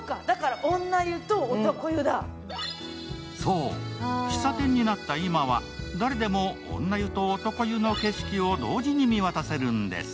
そう、喫茶店になった今は誰でも女湯と男湯の景色を同時に見渡せるんです。